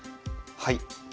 はい。